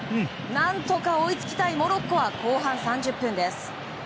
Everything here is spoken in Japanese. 何とか追いつきたいモロッコは後半３０分です。